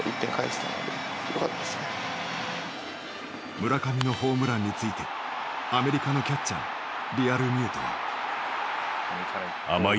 村上のホームランについてアメリカのキャッチャーリアルミュートは。